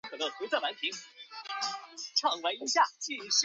此法较消耗频宽但是画面的闪烁与扭曲则可以减少。